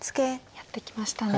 やってきましたね。